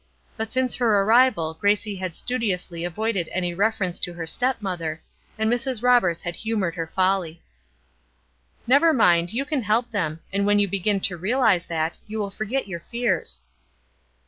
But since her arrival Gracie had studiously avoided any reference to her stepmother, and Mrs. Roberts had humored her folly. "Never mind, you can help them; and when you begin to realize that, you will forget your fears."